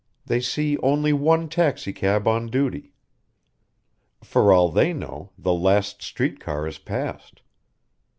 They see only one taxicab on duty. For all they know the last street car has passed.